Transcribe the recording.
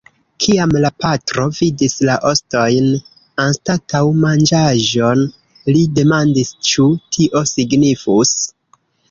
Kiam la patro vidis la ostojn anstataŭ manĝaĵon, li demandis ĉu tio signifus.